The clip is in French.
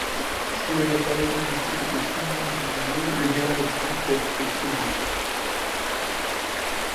Si le matériau combustible est finement divisé, le mélange obtenu peut être explosif.